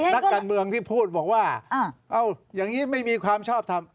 นักการเมืองที่พูดบอกว่าเอาอย่างนี้ไม่มีความชอบทำ